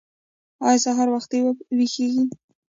ایا سهار وختي ویښیږئ؟